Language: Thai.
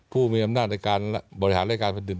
ผู้มีอำนาจในการบริหารรายการแผ่นดิน